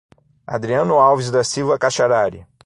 Adriano Alves da Silva Kaxarari